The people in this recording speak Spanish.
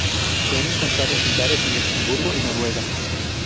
Se han encontrado ejemplares en Luxemburgo y Noruega.